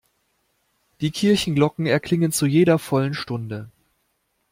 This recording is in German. Die Kirchenglocken erklingen zu jeder vollen Stunde.